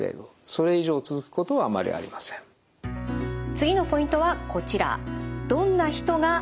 次のポイントはこちら。